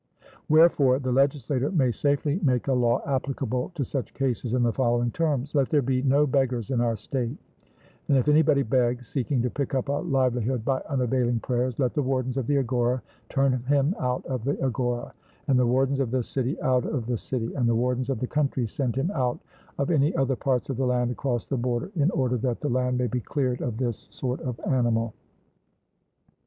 Wherefore the legislator may safely make a law applicable to such cases in the following terms: Let there be no beggars in our state; and if anybody begs, seeking to pick up a livelihood by unavailing prayers, let the wardens of the agora turn him out of the agora, and the wardens of the city out of the city, and the wardens of the country send him out of any other parts of the land across the border, in order that the land may be cleared of this sort of animal.